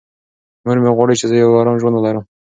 مور مې غواړي چې زه یو ارام ژوند ولرم.